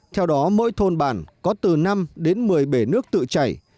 theo đó mỗi thôn bản có từ năm đến một mươi bể nước tự chảy